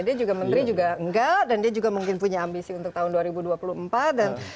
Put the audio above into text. dia juga menteri juga enggak dan dia juga mungkin punya ambisi untuk tahun dua ribu dua puluh empat dan